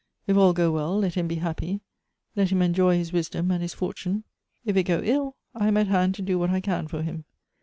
If all go well, let him be happy, let him enjoy his wisdom and his fortune ; if it go ill, I am at hand to do what I can for him.